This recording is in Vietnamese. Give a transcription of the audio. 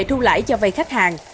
thu lãi cho vai khách hàng